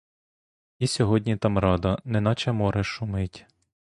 І сьогодні там рада, неначе море шумить.